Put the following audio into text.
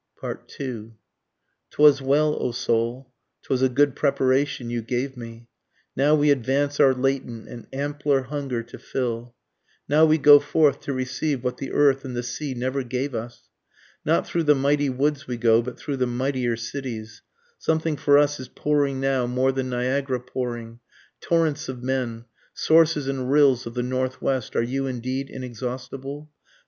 2 'Twas well, O soul 'twas a good preparation you gave me, Now we advance our latent and ampler hunger to fill, Now we go forth to receive what the earth and the sea never gave us, Not through the mighty woods we go, but through the mightier cities, Something for us is pouring now more than Niagara pouring, Torrents of men, (sources and rills of the Northwest are you indeed inexhaustible?)